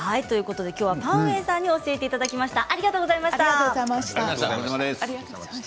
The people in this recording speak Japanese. きょうはパン・ウェイさんに教えていただきました。